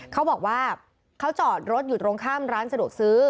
เขาบอกว่าเขาจอดรถอยู่ตรงข้ามร้านสะดวกซื้อ